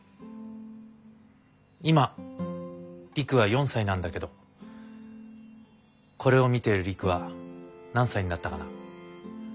今璃久は４歳なんだけどこれを見ている璃久は何歳になったかな。